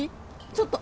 ちょっと。